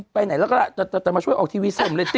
พี่จ่ายเนี่ยเลย